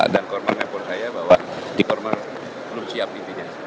dan koorma menelpon saya bahwa di koorma belum siap tidinya